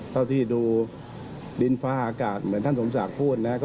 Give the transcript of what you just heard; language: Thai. เท่าที่ดูดินฟ้าอากาศเหมือนท่านสมศักดิ์พูดนะครับ